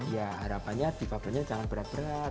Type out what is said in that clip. ya harapannya dipabelnya jangan berat berat